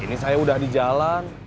ini saya udah di jalan